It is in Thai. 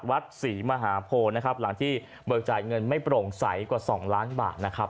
วัดศรีมหาโพนะครับหลังที่เบิกจ่ายเงินไม่โปร่งใสกว่า๒ล้านบาทนะครับ